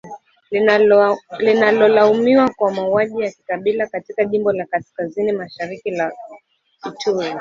linalolaumiwa kwa mauaji ya kikabila katika jimbo la kaskazini-mashariki la Ituri